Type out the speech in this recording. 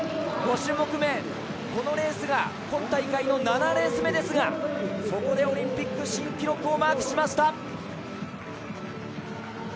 ５種目め、このレースが今大会の７レース目ですがそこでオリンピック新記録をマークしました。